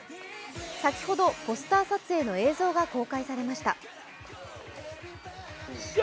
先ほど、ポスター撮影の映像が公開されました。